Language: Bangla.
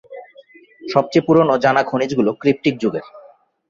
সবচেয়ে পুরনো জানা খনিজগুলো ক্রিপ্টিক যুগের।